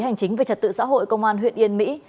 hành chính về trật tự xã hội công an huyện yên mỹ